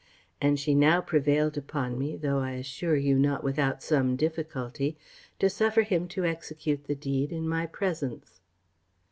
And she now prevailed upon me, though I assure you not without some difficulty, to suffer him to execute the deed in my presence.